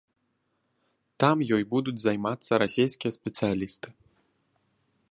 Там ёй будуць займацца расійскія спецыялісты.